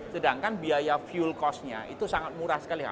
sedangkan biaya fuel cost nya itu sangat murah sekali